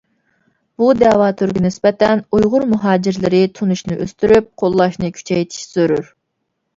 بۇ دەۋا تۈرىگە نىسبەتەن ئۇيغۇر مۇھاجىرلىرى تونۇشنى ئۆستۈرۈپ، قوللاشنى كۈچەيتىشى زۆرۈر.